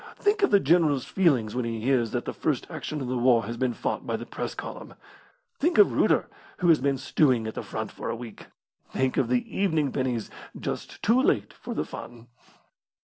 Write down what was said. Think of the general's feelings when he hears that the first action of the war has been fought by the Press column. Think of Reuter, who has been stewing at the front for a week! Think of the evening pennies just too late for the fun.